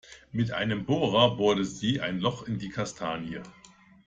Mit einem Bohrer bohrte sie ein Loch in die Kastanie.